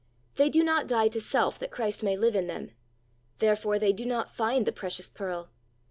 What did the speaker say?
They do not die to self that Christ may live in them. Therefore they do not iind the precious pearl.